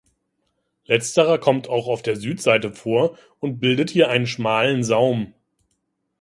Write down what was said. Letzterer kommt auch auf der Südseite vor und bildet hier einen schmalen Saum.